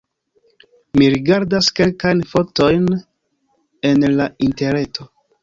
Mi rigardas kelkajn fotojn en la interreto.